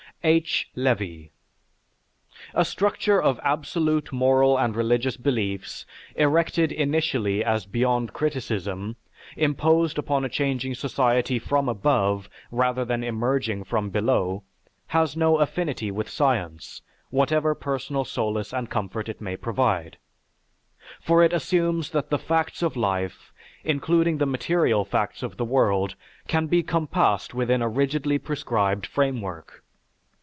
H. LEVY A structure of absolute moral and religious beliefs erected initially as beyond criticism, imposed upon a changing society from above rather than emerging from below, has no affinity with science, whatever personal solace and comfort it may provide, for it assumes that the facts of life, including the material facts of the world, can be compassed within a rigidly prescribed framework.